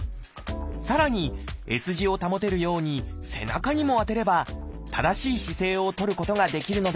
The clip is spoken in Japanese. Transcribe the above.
さらにＳ字を保てるように背中にも当てれば正しい姿勢をとることができるのです。